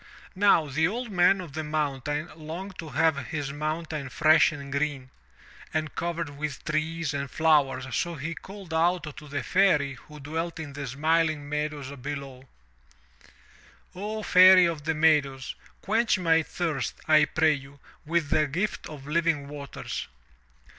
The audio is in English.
Now the Old Man of the Mountain longed to have his mountain fresh and green, and covered with trees and flowers, so he called aloud to the Fairy who dwelt in the smiling meadows below: "O Fairy of the Meadows, quench my thirst, I pray you, with a gift of living waters!